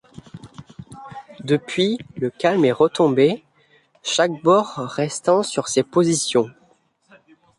Depuis, le calme est retombé, chaque bord restant sur ses positions.